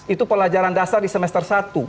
itu pelajaran dasar di semester satu